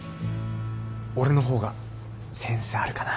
俺の方がセンスあるかな